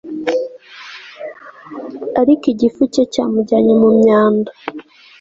ariko igifu cye cyamujyanye mu myanda